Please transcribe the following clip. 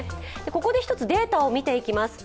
ここで一つ、データを見ていきます。